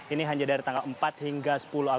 ini hanya dari tanggal empat hingga sepuluh agustus